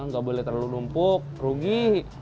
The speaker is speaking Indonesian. nggak boleh terlalu numpuk rugi